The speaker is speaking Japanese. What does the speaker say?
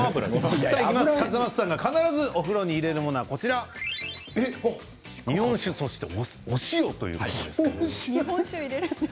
笠松さんが必ずお風呂に入れるものは日本酒と塩ということです。